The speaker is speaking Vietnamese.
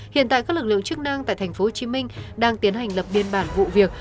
hiện tại các lực lượng chức năng tại tp hcm đang tiến hành lập biên bản vụ việc